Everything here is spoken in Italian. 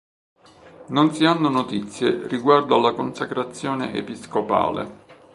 Non si hanno notizie riguardo alla consacrazione episcopale.